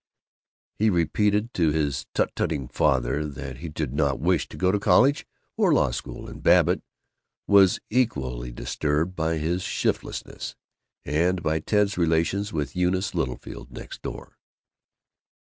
He repeated to his tut tutting father that he did not wish to go to college or law school, and Babbitt was equally disturbed by this "shiftlessness" and by Ted's relations with Eunice Littlefield, next door.